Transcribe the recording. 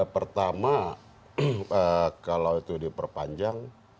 pertama kalau itu diperpanjang